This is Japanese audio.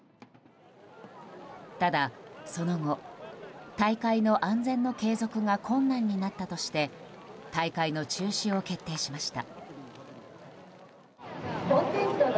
ただ、その後、大会の安全の継続が困難になったとして大会の中止を決定しました。